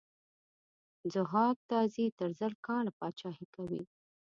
ضحاک تازي تر زر کاله پاچهي کوي.